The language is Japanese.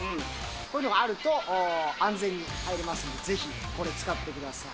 こういうのがあると、安全に入れますんで、ぜひこれ使ってください。